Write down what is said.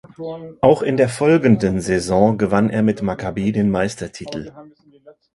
Auch in der folgenden Saison gewann er mit Maccabi den Meistertitel.